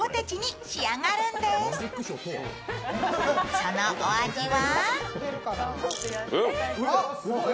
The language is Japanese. そのお味は？